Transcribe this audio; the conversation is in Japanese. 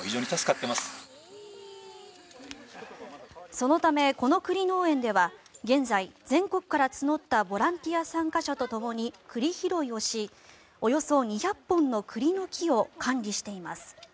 そのため、この栗農園では現在、全国から募ったボランティア参加者とともに栗拾いをしおよそ２００本の栗の木を管理しています。